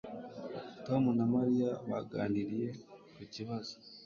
Tom na Mariya baganiriye ku kibazo